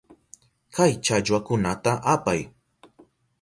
Kay challwakunata apay.